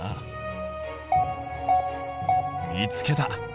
見つけた。